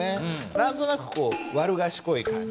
何となくこう悪賢い感じ。